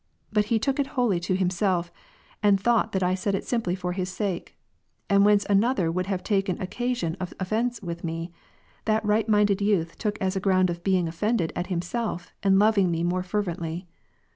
But he took it wholly to himself, and thought that I said it simply for his sake. And whence another would have taken occa sion of offence with me, that right minded youth took as a ground of being offended at himself, and loving me more fervently.